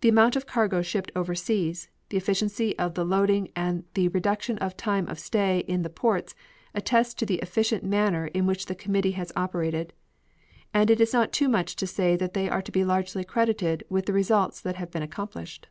The amount of cargo shipped overseas, the efficiency of the loading, and the reduction of the time of stay in the ports attest to the efficient manner in which the committee has operated, and it is not too much to say that they are to be largely credited with the results that have been accomplished.